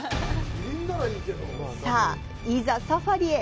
さあ、いざサファリへ！